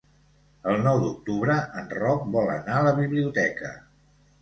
El nou d'octubre en Roc vol anar a la biblioteca.